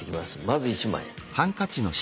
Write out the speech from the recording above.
まず１枚。